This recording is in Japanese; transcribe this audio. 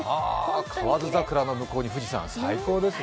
河津桜の向こうに富士山、最高ですね。